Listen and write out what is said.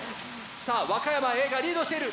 さあ和歌山Ａがリードしている。